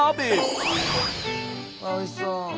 おいしそう。